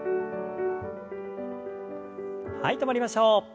はい止まりましょう。